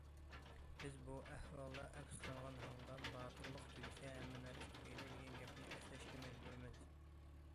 بىز بۇ ئەھۋالدا ئەپسۇسلانغان ھالدا« باتۇرلۇق تۈگىسە ھەممە نەرسە تۈگەيدۇ» دېگەن گەپنى ئەسلەشكە مەجبۇرمىز.